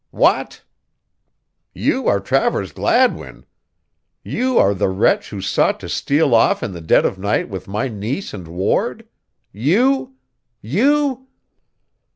"What! You are Travers Gladwin! You are the wretch who sought to steal off in the dead of night with my niece and ward. You! You!"